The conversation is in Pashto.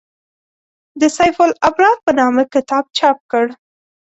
د «سیف الابرار» په نامه کتاب چاپ کړ.